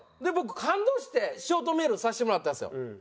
で僕感動してショートメールさせてもらったんですよ。